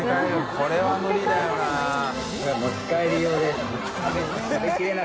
これは無理だよな。